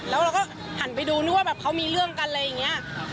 แล้วเราก็หันไปดูนึกว่าแบบเขามีเรื่องกันอะไรอย่างนี้